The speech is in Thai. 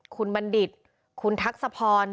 คุณบัณฑิตคุณทักษะพร